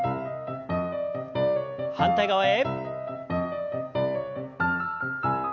反対側へ。